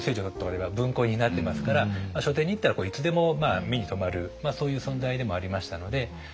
辺りは文庫になってますから書店に行ったらいつでも目に留まるそういう存在でもありましたので。